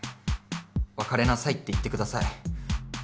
別れなさいって言ってください。